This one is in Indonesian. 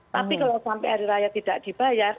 tapi kalau sampai hari raya tidak dibayar